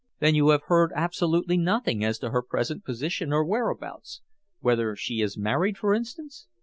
"Then you have heard absolutely nothing as to her present position or whereabouts whether she is married, for instance?"